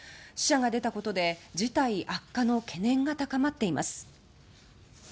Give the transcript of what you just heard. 死者が出たことで、事態悪化の懸念が高まっています。